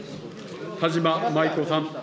田島麻衣子さん。